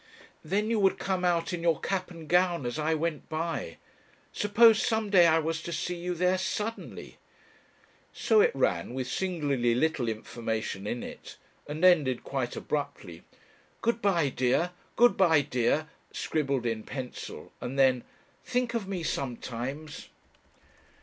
Then you would come out in your cap and gown as I went by. Suppose some day I was to see you there suddenly!!" So it ran, with singularly little information in it, and ended quite abruptly, "Good bye, dear. Good bye, dear," scribbled in pencil. And then, "Think of me sometimes."